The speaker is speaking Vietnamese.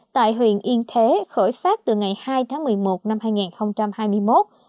tại huyện yên thế khởi phát từ ngày hai tháng một mươi một năm hai nghìn hai mươi một